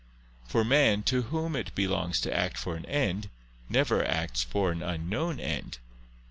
For man, to whom it belongs to act for an end, never acts for an unknown end.